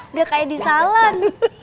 udah kayak disalan